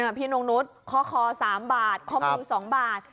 นี่พี่นุ้งนุ้นข้อคอสามบาทข้อมือสองบาท